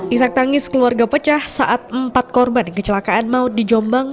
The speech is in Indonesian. isak tangis keluarga pecah saat empat korban kecelakaan maut di jombang